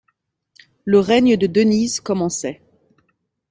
Le règne de Denise commençait.